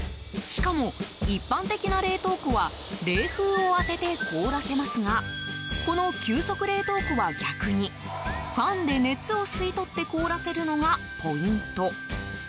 しかも、一般的な冷凍庫は冷風を当てて凍らせますがこの急速冷凍庫は逆にファンで熱を吸い取って凍らせるのがポイント。